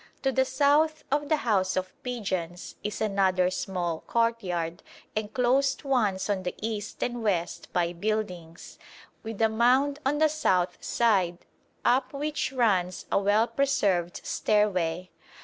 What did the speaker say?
To the south of the House of Pigeons is another small courtyard enclosed once on the east and west by buildings, with a mound on the south side up which runs a well preserved stairway.